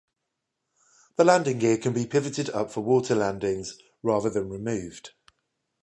The landing gear can be pivoted up for water landings, rather than removed.